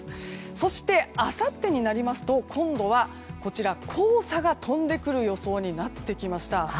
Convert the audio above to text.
そして、あさってになりますと今度は黄砂が飛んでくる予想になってきました。